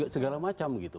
segala macam gitu